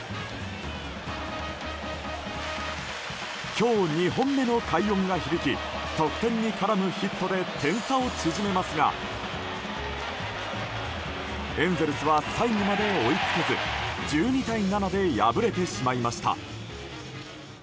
今日２本目の快音が響き得点に絡むヒットで点差を縮めますがエンゼルスは最後まで追いつけず１２対７で敗れてしまいました。